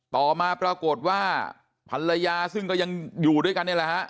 ต่อมาปรากฏว่าภรรยาซึ่งก็ยังอยู่ด้วยกันนี่แหละฮะ